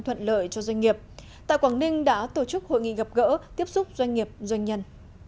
thuận lợi cho doanh nghiệp tại quảng ninh đã tổ chức hội nghị gặp gỡ tiếp xúc doanh nghiệp doanh nhân